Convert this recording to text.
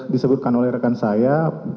disebutkan oleh rekan saya